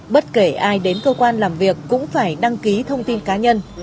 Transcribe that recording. bất kể ai đến cơ quan làm việc cũng phải đăng ký thông tin cá nhân